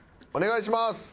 お願いします！